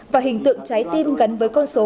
và hình tượng trái tim của đồng chí hà huy tập